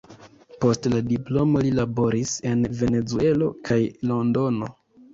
Post la diplomo li laboris en Venezuelo kaj Londono.